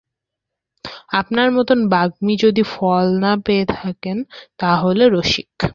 আপনার মতো বাগ্মী যদি ফল না পেয়ে থাকেন তা হলে– রসিক।